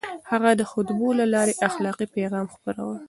هغه د خطبو له لارې اخلاقي پيغام خپراوه.